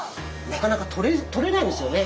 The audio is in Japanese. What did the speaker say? なかなか取れないんですよね